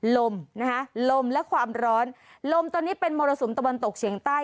ลมนะคะลมและความร้อนลมตอนนี้เป็นมรสุมตะวันตกเฉียงใต้